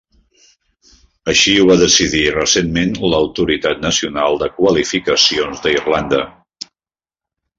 Així ho va decidir recentment l'Autoritat Nacional de Qualificacions d'Irlanda.